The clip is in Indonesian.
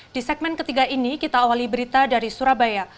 di segmen ketiga ini kita awali berita dari surabaya